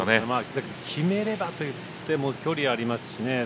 だけど、決めればといっても距離ありますしね。